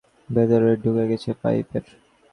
কারণ, তোমার মাথা পাইপের ভেতরে ঢুকে গেছে।